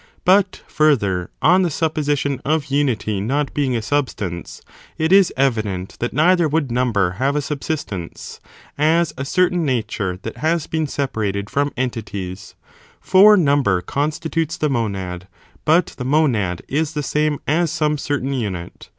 But, further, on the supposition of imity not being a substance, it is evident that neither would number have a subsistence, as a certain nature that has been separated from entities, for number constitutes the monad ; but the monad is the same as some certain unit.